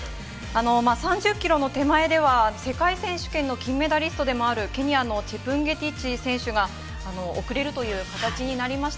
３０ｋｍの手前では世界選手権の金メダリストでもあるケニアのチェプンゲティッチ選手が遅れるという形になりました。